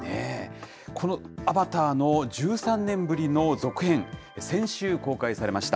このアバターの１３年ぶりの続編、先週公開されました。